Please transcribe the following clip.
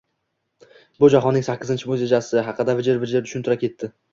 bu «jahonning sakkizinchi moʼʼjizasi» haqida vijir-vijir tushuntira ketdi.